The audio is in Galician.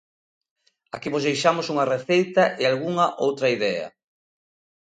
Aquí vos deixamos unha receita e algunha outra idea.